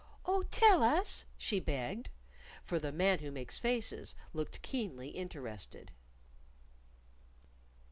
"Oh, tell us!" she begged. For the Man Who Makes Faces looked keenly interested.